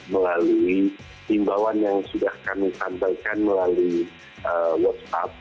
melalui imbauan yang sudah kami sampaikan melalui whatsapp